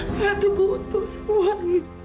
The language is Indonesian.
pak ratu butuh semua ini